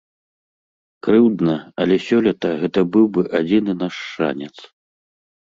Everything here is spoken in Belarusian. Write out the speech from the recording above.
Крыўдна, але сёлета гэта быў бы адзіны наш шанец.